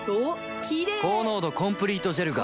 キレイ高濃度コンプリートジェルが